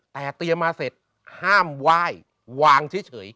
แต่เตรียมมาเสร็จห้ามไหว้วางเฉย